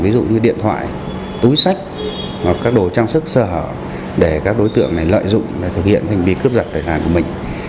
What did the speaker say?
ví dụ như điện thoại túi sách hoặc các đồ trang sức sơ hở để các đối tượng này lợi dụng thực hiện hành vi cướp giật tài sản của mình